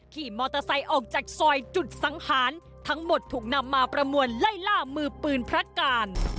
ขี่มอเตอร์ไซค์ออกจากซอยจุดสังหารทั้งหมดถูกนำมาประมวลไล่ล่ามือปืนพระการ